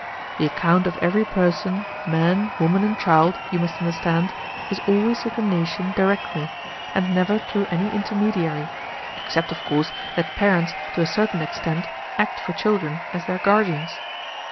The account of every person, man, woman, and child, you must understand, is always with the nation directly, and never through any intermediary, except, of course, that parents, to a certain extent, act for children as their guardians.